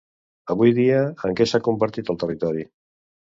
Avui dia, en què s'ha convertit el territori?